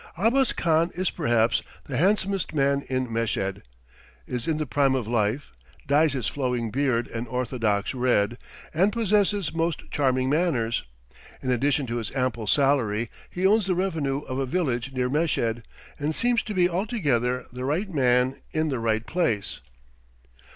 Abbas Khan is perhaps the handsomest man in Meshed, is in the prime of life, dyes his flowing beard an orthodox red, and possesses most charming manners; in addition to his ample salary he owns the revenue of a village near Meshed, and seems to be altogether the right man in the right place.